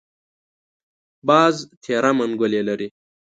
باز تېره منګولې لري